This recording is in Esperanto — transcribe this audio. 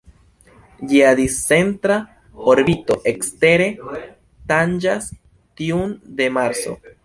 Ĝia discentra orbito ekstere tanĝas tiun de Marso.